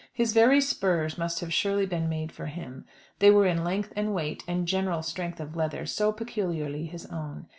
His very spurs must have surely been made for him, they were in length and weight; and general strength of leather, so peculiarly his own.